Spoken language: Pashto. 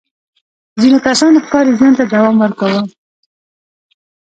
ځینو کسانو ښکاري ژوند ته دوام ورکاوه.